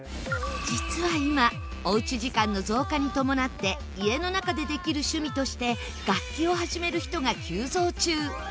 実は今おうち時間の増加に伴って家の中でできる趣味として楽器を始める人が急増中。